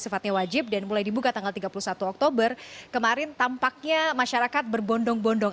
sifatnya wajib dan mulai dibuka tanggal tiga puluh satu oktober kemarin tampaknya masyarakat berbondong bondong